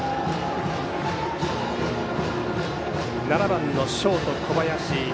７番のショート、小林。